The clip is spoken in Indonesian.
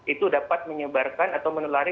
itu dapat menyebarkan atau menelari